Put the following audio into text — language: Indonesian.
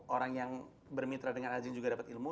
orang yang bermitra dengan agen juga dapat ilmu